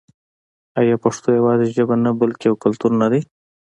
آیا پښتو یوازې ژبه نه بلکې یو کلتور نه دی؟